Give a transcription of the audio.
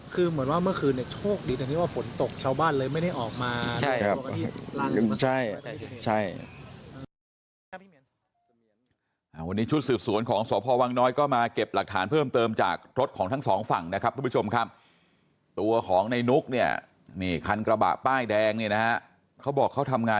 คือเหมือนว่าเมื่อคืนเนี่ยโชคดีตรงที่ว่าฝนตกชาวบ้านเลยไม่ได้ออกมาใช่ครับ